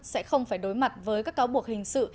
sẽ không phải đối mặt với các cáo buộc hình sự